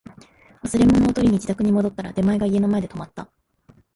忘れ物を取りに自宅に戻ったら、出前が家の前で止まった